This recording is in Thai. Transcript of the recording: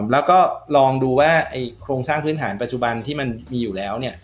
แล้วก็ลองดูว่าโครงสร้างพื้นฐานปัจจุบันที่มันมีอยู่แล้ว